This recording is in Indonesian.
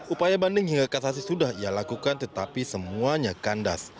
upaya banding hingga kasasi sudah ia lakukan tetapi semuanya kandas